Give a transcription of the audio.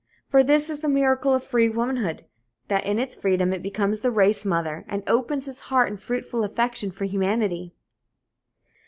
For this is the miracle of free womanhood, that in its freedom it becomes the race mother and opens its heart in fruitful affection for humanity.